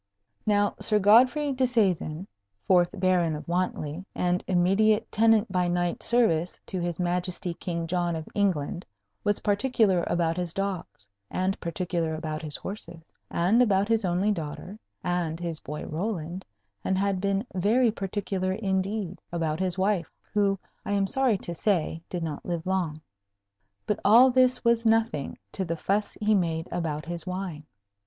Now, Sir Godfrey Disseisin, fourth Baron of Wantley, and immediate tenant by knight service to His Majesty King John of England, was particular about his dogs, and particular about his horses, and about his only daughter and his boy Roland, and had been very particular indeed about his wife, who, I am sorry to say, did not live long. But all this was nothing to the fuss he made about his wine.